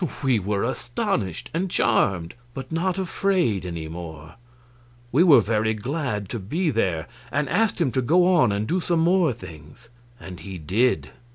We were astonished and charmed, but not afraid any more; we were very glad to be there, and asked him to go on and do some more things. And he did.